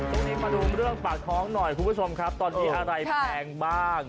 ตรงนี้มาดูเรื่องปากท้องหน่อยคุณผู้ชมครับตอนนี้อะไรแพงบ้าง